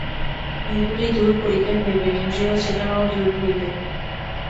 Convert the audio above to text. এইগুলি দূর করিতে হইবে, ইন্দ্রিয়চেতনাও দূর হইবে।